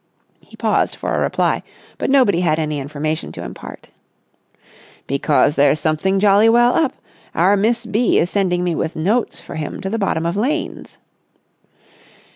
He paused for a reply, but nobody had any information to impart. "Because there's something jolly well up! Our Miss B. is sending me with notes for him to the bottom of lanes."